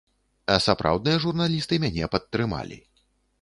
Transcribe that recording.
А сапраўдныя журналісты мяне падтрымалі.